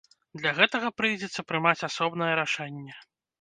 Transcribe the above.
Для гэтага прыйдзецца прымаць асобнае рашэнне.